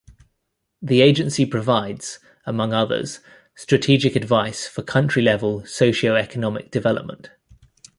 The agency provides, among others, strategic advice for country-level socio-economic development.